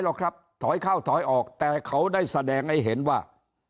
หรอกครับถอยเข้าถอยออกแต่เขาได้แสดงให้เห็นว่า